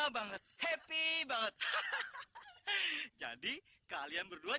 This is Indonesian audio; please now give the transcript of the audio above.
nanti dia jarang ilmu di sini